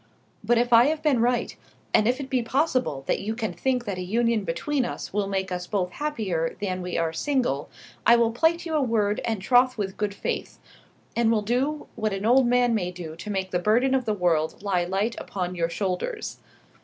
But if I have been right, and if it be possible that you can think that a union between us will make us both happier than we are single, I will plight you my word and troth with good faith, and will do what an old man may do to make the burden of the world lie light upon your shoulders.